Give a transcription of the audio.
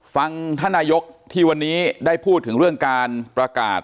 ฟังท่านนายกที่วันนี้ได้พูดถึงเรื่องการประกาศ